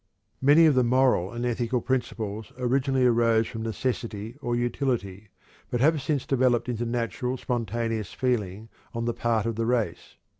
Many of the moral and ethical principles originally arose from necessity or utility, but have since developed into natural, spontaneous feeling on the part of the race.